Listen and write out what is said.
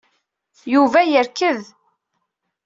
Yuba yerked.